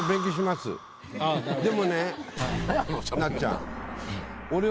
でもねなっちゃん。